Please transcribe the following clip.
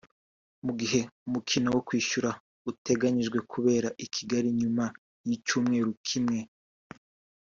mu gihe umukino wo kwishyura uteganijwe kubera i Kigali nyuma y’icyumweru kimwe